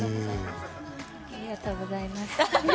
ありがとうございます。